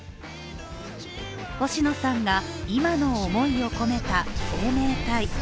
星野さんが今の思いを込めた「生命体」。